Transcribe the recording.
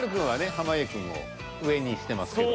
濱家くんを上にしてますけど。